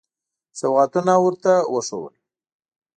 سوغاتونه ورته وښودل.